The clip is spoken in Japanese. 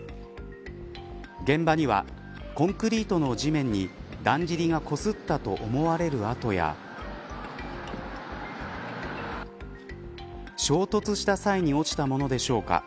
現場にはコンクリートの地面にだんじりがこすったと思われる痕や衝突した際に落ちたものでしょうか。